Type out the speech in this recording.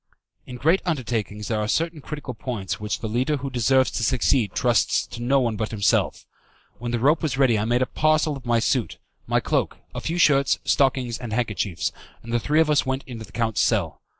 In great undertakings there are certain critical points which the leader who deserves to succeed trusts to no one but himself. When the rope was ready I made a parcel of my suit, my cloak, a few shirts, stockings, and handkerchiefs, and the three of us went into the count's cell.